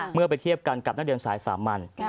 เมื่อไปเทียบกันกับนักเรียนสายสามัญ